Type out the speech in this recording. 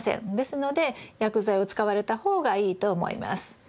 ですので薬剤を使われた方がいいと思います。